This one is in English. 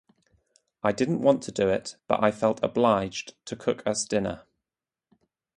I didn’t want to do it, but I felt obligated to cook us dinner.